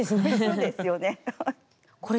そうですよね。